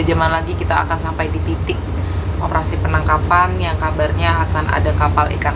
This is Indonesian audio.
tiga jam lagi kita akan sampai di titik operasi penangkapan yang kabarnya akan ada kapal ikan